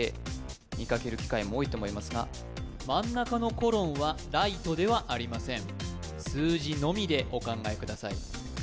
見かける機会も多いと思いますが真ん中の「：」はライトではありません数字のみでお考えください